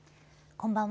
こんばんは。